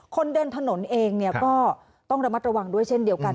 คนเดินถนนเองก็ต้องระมัดระวังด้วยเช่นเดียวกัน